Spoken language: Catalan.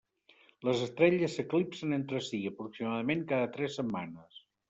Les estrelles s'eclipsen entre si, aproximadament cada tres setmanes.